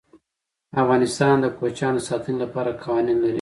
افغانستان د کوچیان د ساتنې لپاره قوانین لري.